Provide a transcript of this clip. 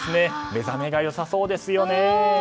目覚めが良さそうですよね。